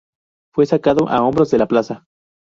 Fue sacado a hombros de la plaza.